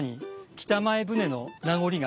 北前船の名残が？